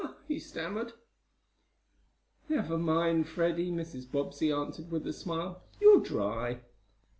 he stammered. "Never mind, Freddie," Mrs. Bobbsey answered with a smile. "You'll dry."